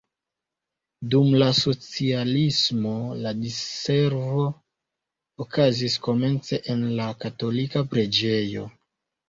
Dum la socialismo la diservoj okazis komence en la katolika preĝejo.